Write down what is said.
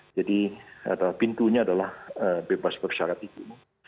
jadi pintunya adalah bebas bersyarat itu